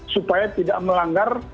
supaya tidak melanggar